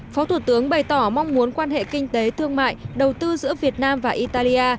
phó thủ tướng bày tỏ mong muốn quan hệ kinh tế thương mại đầu tư giữa việt nam và italia